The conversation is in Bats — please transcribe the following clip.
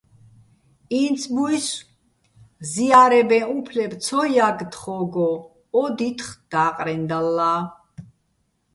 ინცბუჲსო̆ ზია́რებეჼ უფლებ ცო ჲაგე̆ თხო́გო ო დითხ და́ყრენდალლა.